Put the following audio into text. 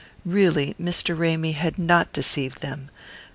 Really, Mr. Ramy had not deceived them.